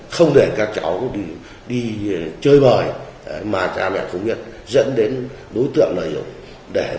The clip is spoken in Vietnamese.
không để các cháu đi chơi bời mà tra mẹ không biết dẫn đến đối tượng lợi hiệu